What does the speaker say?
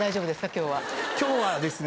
今日はですね